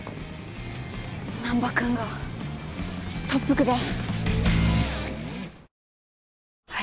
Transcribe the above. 難破君が特服だ。